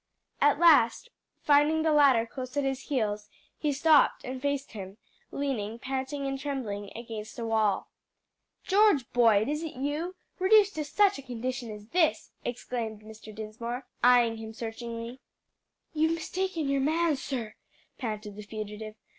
At last, finding the latter close at his heels, he stopped and faced him, leaning, panting and trembling, against a wall. "George Boyd, is it you? reduced to such a condition as this!" exclaimed Mr. Dinsmore, eying him searchingly. "You've mistaken your man, sir," panted the fugitive.